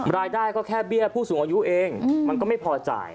รายได้ก็แค่เบี้ยผู้สูงอายุเองมันก็ไม่พอจ่าย